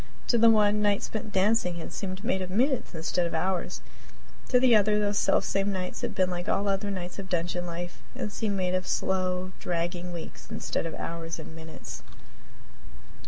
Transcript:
To the one, nights spent in dancing had seemed made of minutes instead of hours; to the other, those selfsame nights had been like all other nights of dungeon life and seemed made of slow, dragging weeks instead of hours and minutes.